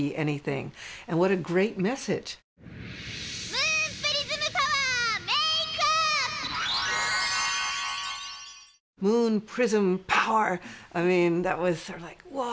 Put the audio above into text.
ムーン・プリズム・パワーメイクアップ！